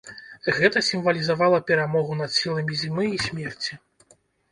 Гэта сімвалізавала перамогу над сіламі зімы і смерці.